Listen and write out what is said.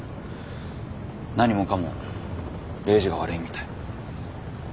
何もかもレイジが悪いみたい。